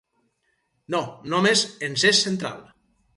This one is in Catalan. No només ens és central.